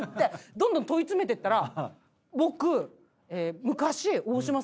どんどん問い詰めてったら。